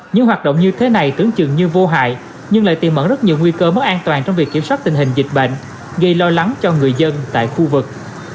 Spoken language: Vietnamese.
những hoạt động như thế này tưởng chừng như vô hại nhưng lại tìm ẩn rất nhiều nguy cơ mất an toàn trong việc kiểm soát tình hình dịch bệnh gây lo lắng cho người dân tại khu vực